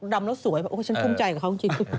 ดำแล้วสวยแบบโอ้ฉันคุ้มใจกับเขาจริง